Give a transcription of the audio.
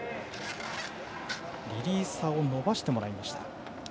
リリーサーを伸ばしてもらいました。